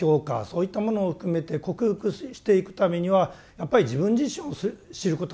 そういったものを含めて克服していくためにはやっぱり自分自身を知ることが大切だ。